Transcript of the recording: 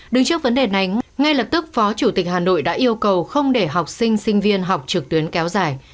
đứng trước vấn đề này ngay lập tức phó chủ tịch hà nội đã yêu cầu không để học sinh sinh viên học trực tuyến kéo dài